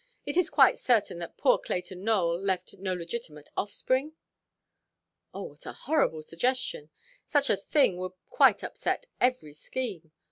Is it quite certain that poor Clayton Nowell left no legitimate offspring?" Oh, what a horrible suggestion! Such a thing would quite upset every scheme.